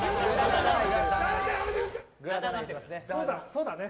そうだね。